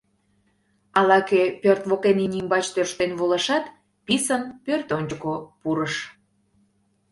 Ала-кӧ пӧрт воктен имне ӱмбач тӧрштен волышат, писын пӧртӧнчыкӧ пурыш.